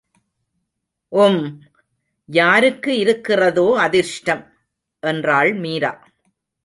உம், யாருக்கு இருக்கிறதோ அதிர்ஷ்டம்! என்றாள் மீரா.